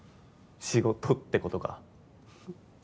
仕事ってことか。